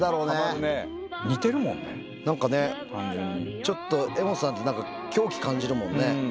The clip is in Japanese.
ちょっと柄本さんってなんか狂気感じるもんね。